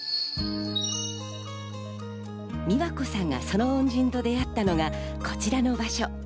三和子さんがその恩人と出会ったのがこちらの場所。